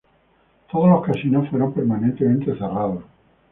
Todos los casinos fueron permanentemente cerrados.